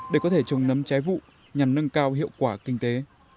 để có thể trồng nấm trái vụ nhằm nâng cao hiệu quả kinh tế